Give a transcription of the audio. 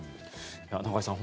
中居さん